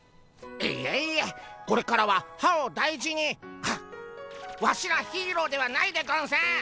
いえいえこれからは歯を大事にあっワシらヒーローではないでゴンス。